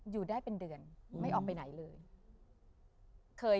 อยู่ได้เป็นเดือนไม่ออกไปไหนเลย